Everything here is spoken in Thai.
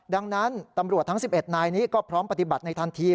ดังนั้นตำรวจทั้ง๑๑นายนี้ก็พร้อมปฏิบัติในทันที